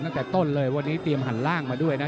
ตั้งแต่ต้นเลยวันนี้เตรียมหันล่างมาด้วยนะ